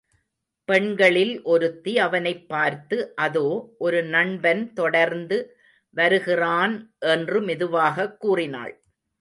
பெண்களில் ஒருத்தி அவனைப் பார்த்து அதோ, ஒரு நண்பன் தொடர்ந்து வருகிறான் என்று மெதுவாகக் கூறினாள்.